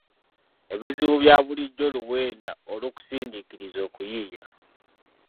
Ebizibu bya bulijjo luwenda olukusindiikiriza okuyiiya